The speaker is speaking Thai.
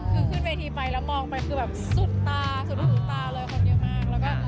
คือขึ้นเวทีไปแล้วมองไปคือแบบสุดตาสุดสุดสุดตาเลยคนเยอะมาก